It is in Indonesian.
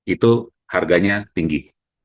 itu harganya tinggi